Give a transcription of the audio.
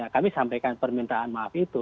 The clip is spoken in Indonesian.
kami sampaikan permintaan maaf itu